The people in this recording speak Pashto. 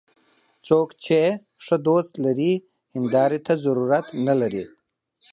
څوک چې ښه دوست لري، هنداري ته ضرورت نه لري